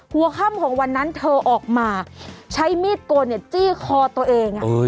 หัวค่ำของวันนั้นเธอออกมาใช้มีดโกนจี้คอตัวเอง